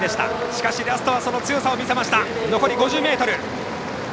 しかし、ラストはその強さを見せました。